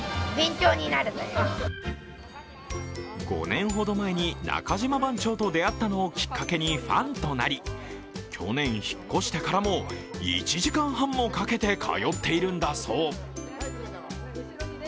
５年ほど前に中島番長と出会ったのをきっかけにファンとなり、去年、引っ越してからも１時間半もかけて通っているんだそう。